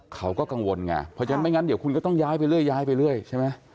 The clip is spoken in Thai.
เขาก็กังวลไงเพราะฉะนั้นไม่งั้นเดี๋ยวคุณก็ต้องย้ายไปเรื่อยย้ายไปเรื่อยใช่ไหม